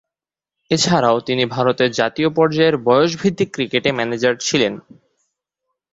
এছাড়াও তিনি ভারতের জাতীয় পর্যায়ের বয়সভিত্তিক ক্রিকেটে ম্যানেজার ছিলেন।